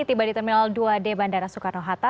tiba di terminal dua d bandara soekarno hatta